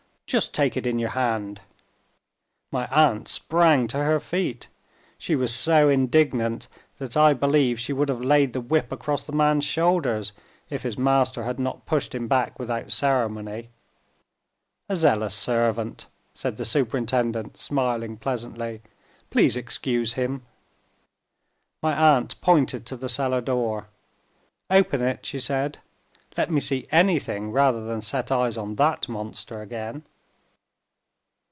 "Just take it in your hand." My aunt sprang to her feet. She was so indignant that I believe she would have laid the whip across the man's shoulders, if his master had not pushed him back without ceremony. "A zealous servant," said the superintendent, smiling pleasantly. "Please excuse him." My aunt pointed to the cell door. "Open it," she said, "Let me see anything, rather than set eyes on that monster again!"